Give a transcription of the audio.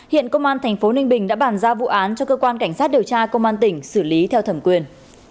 hiện công an tp ninh bình đã bản ra vụ án cho cơ quan cảnh sát điều tra công an tp xử lý theo thẩm quyền